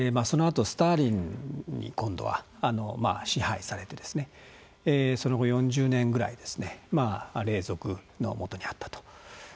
そのあとスターリンに今度は支配されてその後４０年ぐらい隷属のもとにあったと。